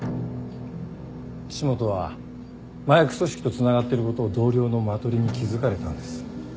岸本は麻薬組織とつながっていることを同僚のマトリに気付かれたんです。